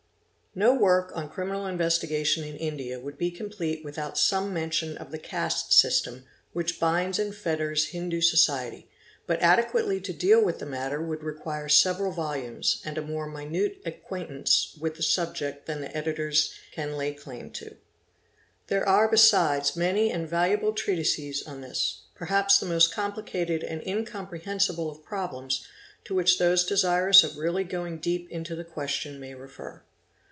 No work on Criminal Investigation in India would be complete with out some mention of the caste system which binds and fetters Hindu Society, but adequately to deal with the matter would require several volumes and a more minute acquaintance with the subject than the editors can lay claim to. 'There are besides many and valuable treatises on this, perhaps the most complicated and incomprehensible of problems, to which those desirous of really going deep into the question may refer.